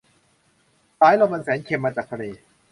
สายลมอันแสนเค็มมาจากทะเล